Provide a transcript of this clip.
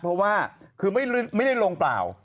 เพราะว่าคือไม่ได้ลงเปล่า